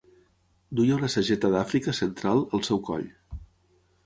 Duia una sageta d'Àfrica central al seu coll.